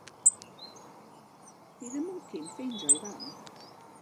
Fydd y mwnci'n ffeindio'i fam?